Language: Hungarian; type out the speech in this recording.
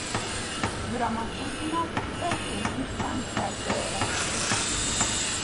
Dramaturgnak Örkény Istvánt szerződtették.